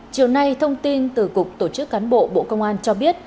chiều nay thông tin từ cục tổ chức cán bộ bộ công an cho biết